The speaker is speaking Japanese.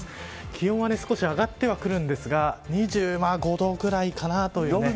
気温は少し上がっては来るんですが２５度ぐらいかなというね。